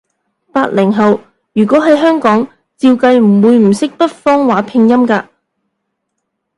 八零後，如果喺香港，照計唔會識北方話拼音㗎